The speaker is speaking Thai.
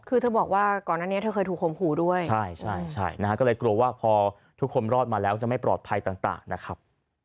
ก็เลยกลัวว่าพอทุกคนรอดมาแล้วจะไม่ปลอดภัยต่างนะครับ